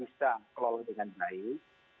bisa kelola dengan baik